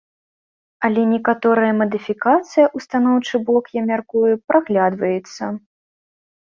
Але некаторая мадыфікацыя ў станоўчы бок, я мяркую, праглядваецца.